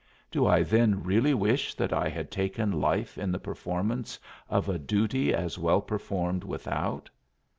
Do I then really wish that I had taken life in the performance of a duty as well performed without?